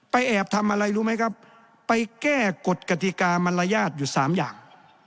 แอบทำอะไรรู้ไหมครับไปแก้กฎกติกามันรยาทอยู่๓อย่าง